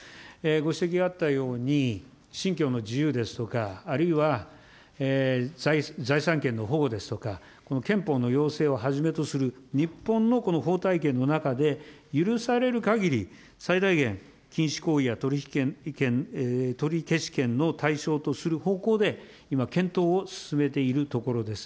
ご指摘があったように、信教の自由ですとか、あるいは、財産権の保護ですとか、この憲法のようせいをはじめとする日本のこの法体系の中で、許されるかぎり、最大限、禁止行為や取消権の対象とする方向で今、検討を進めているところです。